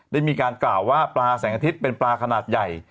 ได้มีการกล่าวว่าปลาแสงอาทิตย์เป็นปลาขนาดใหญ่